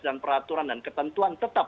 dan peraturan dan ketentuan tetap